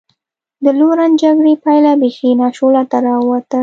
د لورن جګړې پایله بېخي ناشولته را ووته.